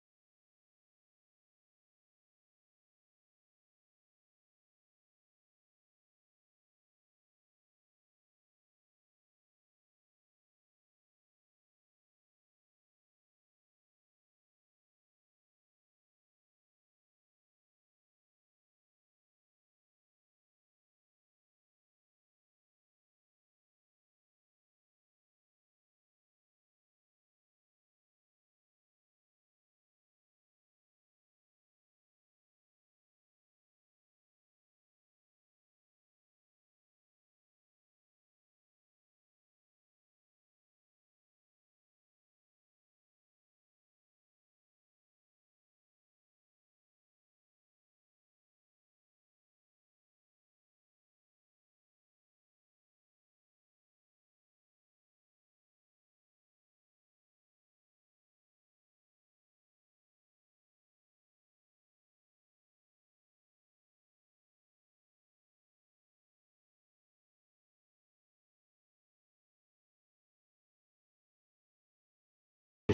karena ini sangat membahayakan buat saya